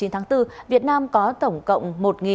chín tháng bốn việt nam có tổng cộng